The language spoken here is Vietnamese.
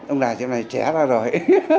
ông đài chiếc này trẻ ra rồi